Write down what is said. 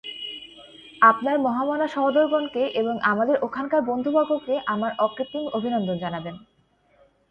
আপনার মহামনা সহোদরগণকে এবং আমাদের ওখানকার বন্ধুবর্গকে আমার অকৃত্রিম অভিনন্দন জানাবেন।